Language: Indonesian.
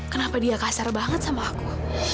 kenapa dia kasar banget sama aku